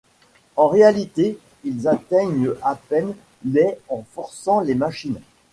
En réalité, ils atteignent à peine les en forçant les machines.